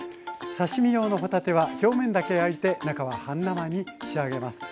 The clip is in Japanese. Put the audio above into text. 刺身用の帆立ては表面だけ焼いて中は半生に仕上げます。